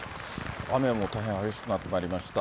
雨も大変激しくなってまいりました。